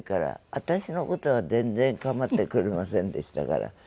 私の事は全然構ってくれませんでしたから。